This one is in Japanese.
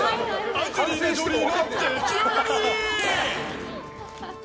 アンジェリーナ・ジョリーの出来上がり！